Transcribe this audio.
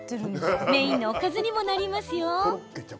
メインのおかずにもなりますよ。